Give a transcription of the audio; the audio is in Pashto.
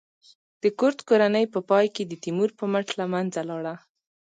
د کرت کورنۍ په پای کې د تیمور په مټ له منځه لاړه.